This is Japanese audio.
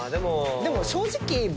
でも正直僕。